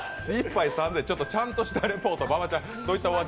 １杯３０００円ちゃんとしたリポート馬場ちゃん。